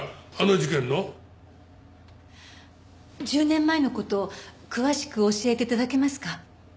１０年前の事詳しく教えて頂けますか？